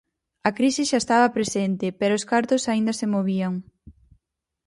A crise xa estaba presente, pero os cartos aínda se movían.